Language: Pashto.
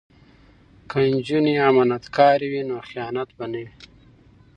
که نجونې امانتکارې وي نو خیانت به نه وي.